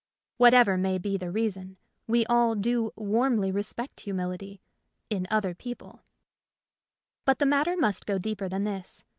Whatever may be the A Defence of Humility reason, we all do warmly respect humility — in other people. But the matter must go deeper than this.